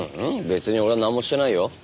別に俺はなんもしてないよ。